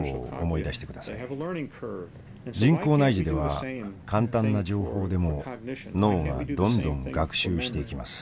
人工内耳では簡単な情報でも脳がどんどん学習していきます。